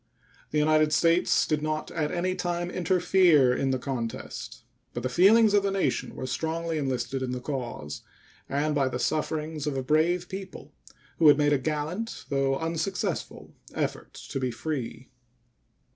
The United States did not at any time interfere in the contest, but the feelings of the nation were strongly enlisted in the cause, and by the sufferings of a brave people, who had made a gallant, though unsuccessful, effort to be free.